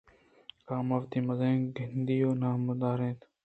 کلام وتی مزن گِندی ءَ نامدار اِنت